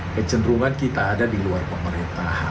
kecenderungan kita ada di luar pemerintahan